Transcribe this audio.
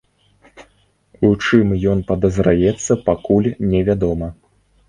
У чым ён падазраецца, пакуль невядома.